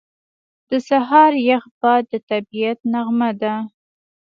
• د سهار یخ باد د طبیعت نغمه ده.